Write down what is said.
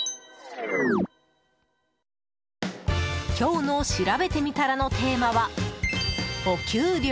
今日のしらべてみたらのテーマは、お給料。